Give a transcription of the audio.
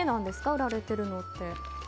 売られてるのって。